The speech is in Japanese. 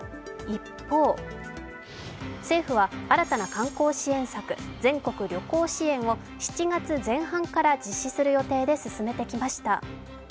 一方、政府は新たな観光支援策、全国旅行支援を７月前半から実施する予定で進めてきました。